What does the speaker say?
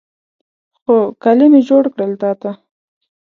خو، کالي مې جوړ کړل تا ته